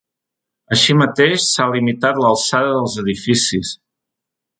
Així mateix, s’ha limitat l’alçada dels edificis.